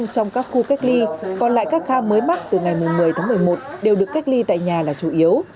trong các khu cách ly còn lại các ca mới mắc từ ngày một mươi tháng một mươi một đều được cách ly tại nhà là chủ yếu